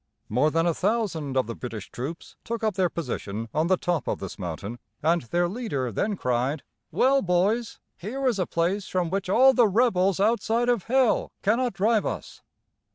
] More than a thousand of the British troops took up their position on the top of this mountain, and their leader then cried: "Well, boys, here is a place from which all the rebels outside of hell cannot drive us!"